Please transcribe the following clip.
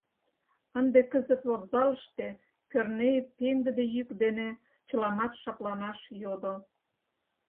Ынде кызыт вокзалыште Кӧрнеи пеҥгыде йӱк дене чыламат шыпланаш йодо.